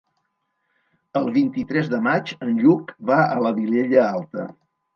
El vint-i-tres de maig en Lluc va a la Vilella Alta.